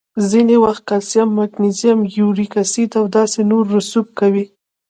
ځینې وخت کلسیم، مګنیزیم، یوریک اسید او داسې نور رسوب کوي.